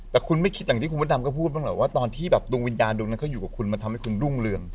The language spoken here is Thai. แต่คุณไม่คิดอย่างที่คุณพระดำก็พูดบ้างเหรอว่าตอนที่แบบดวงวิญญาณดวงนั้นเขาอยู่กับคุณมันทำให้คุณรุ่งเรือง